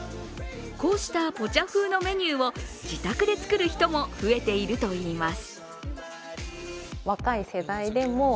こうしたポチャ風のメニューを自宅で作る人も増えているといいます。